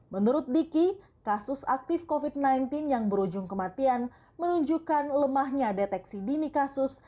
menurut diki kasus aktif covid sembilan belas yang berujung kematian menunjukkan lemahnya deteksi dini kasus